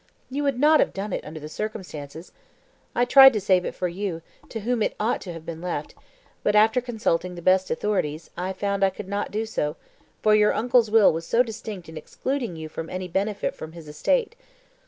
You would not have done it under the circumstances. I tried to save it for you, to whom it ought to have been left; but after consulting the best authorities I found I could not do so, for your uncle's will was so distinct in excluding you from any benefit from his estate.